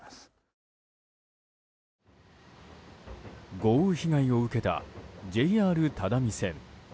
豪雨被害を受けたＪＲ只見線。